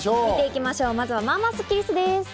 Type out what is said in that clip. まずは、まあまあスッキりすです。